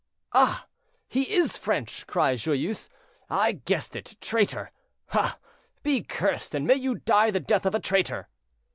"Ah! he is French," cried Joyeuse; "I guessed it, traitor. Ah! be cursed, and may you die the death of a traitor."